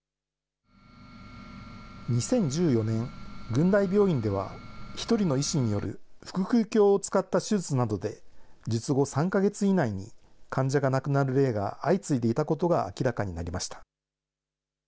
２０１４年、群大病院では、１人の医師による腹腔鏡を使った手術などで術後３か月以内に患者が亡くなる例が相次いでいたことが明らかになりました。